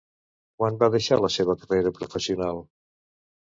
Quan va deixar la seva carrera professional?